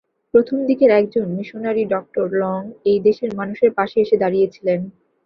প্রথম দিকের একজন মিশনারী ডক্টর লঙ এই দেশের মানুষের পাশে এসে দাঁড়িয়েছিলেন।